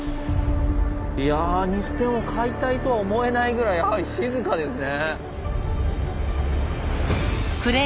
いやぁにしても解体とは思えないぐらいやはり静かですね。